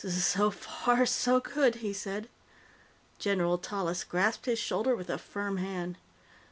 "So so f f far, s so good," he said. General Tallis grasped his shoulder with a firm hand.